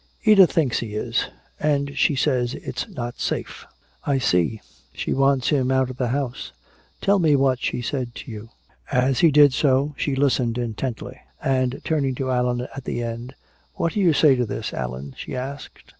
"Edith thinks he is and she says it's not safe." "I see she wants him out of the house. Tell me what she said to you." As he did so she listened intently, and turning to Allan at the end, "What do you say to this, Allan?" she asked.